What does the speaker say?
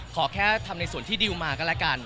ขอแค่ทำในส่วนที่ดิวมาก็แล้วกัน